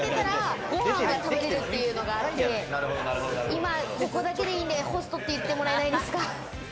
今ここだけでいいんで、ホストって言ってもらえないですか？